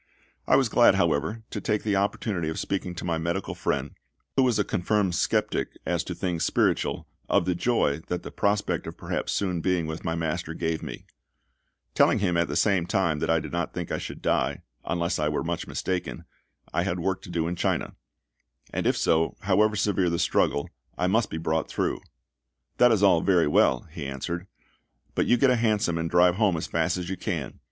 I was glad, however, to take the opportunity of speaking to my medical friend, who was a confirmed sceptic as to things spiritual, of the joy that the prospect of perhaps soon being with my MASTER gave me; telling him at the same time that I did not think I should die, as, unless I were much mistaken, I had work to do in China; and if so, however severe the struggle, I must be brought through. "That is all very well," he answered, "but you get a hansom and drive home as fast as you can.